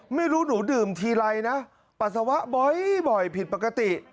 ไม่รู้หนูดื่มทีไรนะปัสสาวะบ่อยผิดปกติ